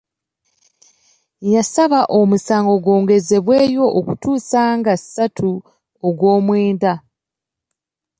Yasabye omusango gwongezebweyo okutuusa nga ssatu Ogwomwenda.